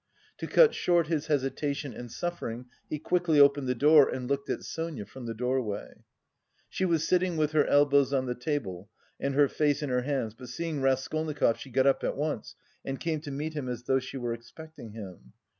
To cut short his hesitation and suffering, he quickly opened the door and looked at Sonia from the doorway. She was sitting with her elbows on the table and her face in her hands, but seeing Raskolnikov she got up at once and came to meet him as though she were expecting him.